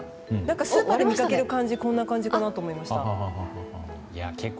スーパーで見かける感じこんな感じかなと思いました。